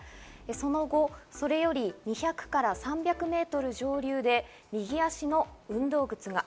その後、それより２００から３００メートル上流で右足の運動靴が。